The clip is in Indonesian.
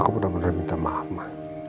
aku benar benar minta maaf